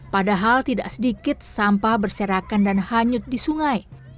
padahal tidak sedikit sampah berserakan dan hanyut di sungai